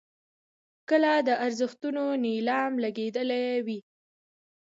که د ارزښتونو نیلام لګېدلی وي.